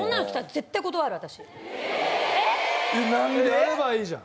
やればいいじゃん。